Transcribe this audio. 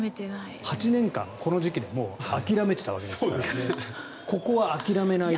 ８年間、この時期でもう諦めていたわけですからここは諦めないで。